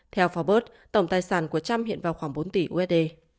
theo forbes tổng tài sản của cham hiện vào khoảng bốn tỷ usd